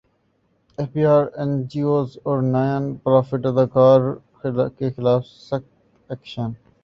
F B رکا N G Os اور non profit اداروں کیخلاف سخت ایکشن